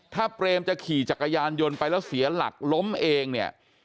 ถ้าเปรมจะขี่จักรยานยนต์ไปแล้วเสียหลักล้มเองเนี่ย